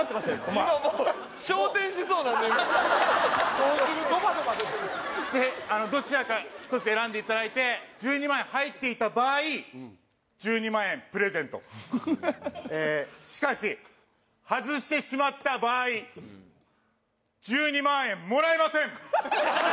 今もうでどちらか１つ選んでいただいて１２万円入っていた場合１２万円プレゼントしかし外してしまった場合１２万円もらえません